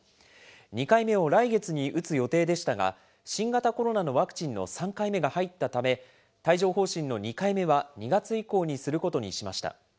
２回目を来月に打つ予定でしたが、新型コロナのワクチンの３回目が入ったため、帯状ほう疹の２回目は２月以降にすることにしました。